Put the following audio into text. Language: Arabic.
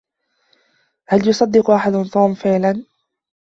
هل يصدق أحد توم فعلا؟